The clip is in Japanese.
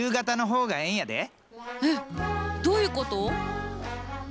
えっどういうこと？